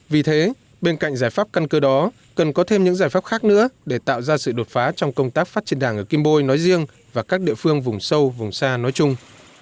vì thế bên cạnh giải pháp căn cơ đó cần có thêm những giải pháp khác nữa để tạo ra sự đột phá trong công tác phát triển đảng ở kim bôi nói riêng và các địa phương vùng sâu vùng xa nói chung